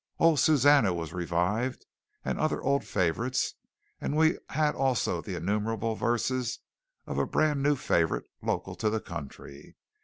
Oh, Susannah! was revived; and other old favourites; and we had also the innumerable verses of a brand new favourite, local to the country.